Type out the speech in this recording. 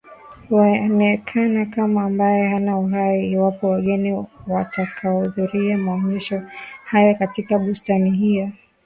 Huonekana kama ambaye hana Uhai iwapo wageni watakaohudhuria maonyesho hayo katika bustani hiyo